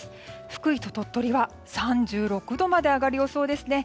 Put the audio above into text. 福井と鳥取は３６度まで上がる予想です。